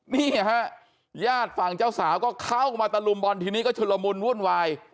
นี่ฮะญาติฝั่งเจ้าสาวก็เข้ามาตะลุมบอลทีนี้ก็ชุดละมุนวุ่นวาย